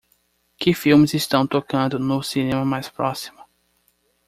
Que filmes estão tocando no cinema mais próximo